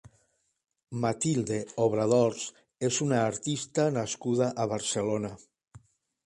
Matilde obradors és una artista nascuda a Barcelona.